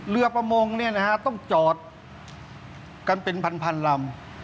เรือประมงเนี่ยนะฮะต้องจอดกันเป็นพันพันลำ